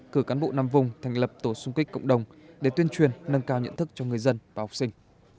cử cán bộ năm vùng thành lập tổ sung kích cộng đồng để tuyên truyền nâng cao nhận thức cho người dân và học sinh